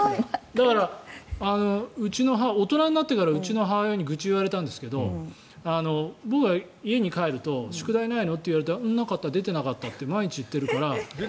だから大人になってからうちの母親に愚痴を言われたんですが僕が家に帰ると宿題ないの？って言われるとなかった、出てなかったって毎日言っているから。